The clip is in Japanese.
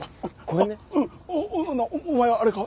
お前はあれか？